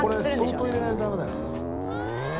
これ相当入れないとダメだよ。